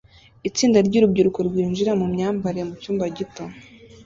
Itsinda ryurubyiruko rwinjira mu myambarire mucyumba gito